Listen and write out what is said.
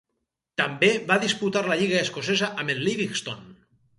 També va disputar la lliga escocesa amb el Livingston.